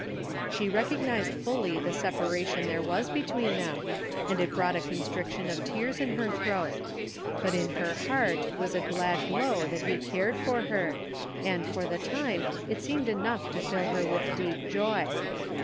She recognized fully the separation there was be* tween them and it brought a constriction of tears in her throat; but in her heart was a glad glow that he cared for her, and for the time it seemed enough to fill her with deep joy.